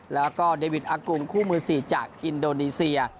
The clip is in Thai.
แล้วก็เดวิดอากุลคู่มือ๔จากอินโดนีเซีย